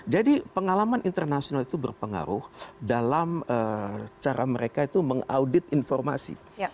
jadi pengalaman internasional itu berpengaruh dalam cara mereka itu mengaudit informasi